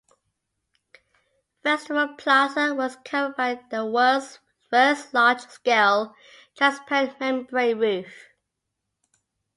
Festival Plaza was covered by the world's first large-scale, transparent membrane roof.